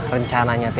rencana nyatanya begitu